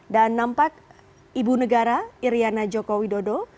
dan nampak ibu negara iryana jokowi dodo